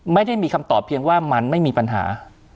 ไม่ได้มีคำตอบเพียงว่ามันไม่มีปัญหา